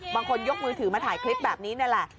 ยกมือถือมาถ่ายคลิปแบบนี้นี่แหละ